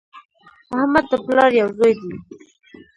احمد د پلار یو زوی دی